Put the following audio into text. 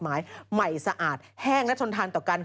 ไม่เหมือนคนละอย่างกัน